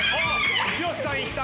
剛さんいった。